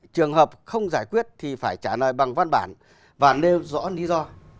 trường hợp không giải quyết thì phải trả lời bằng văn bản và nêu rõ lý do